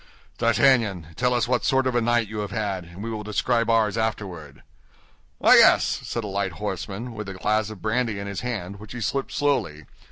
D'Artagnan, tell us what sort of a night you have had, and we will describe ours afterward." "Ah, yes," said a light horseman, with a glass of brandy in his hand, which he sipped slowly.